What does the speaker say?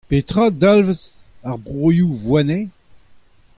Petra a dalvez ar broioù « Voynet »?